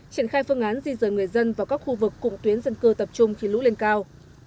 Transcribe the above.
triển khai phương án di rời người dân vào các khu vực cụng tuyến dân cư tập trung khi lũ lên cao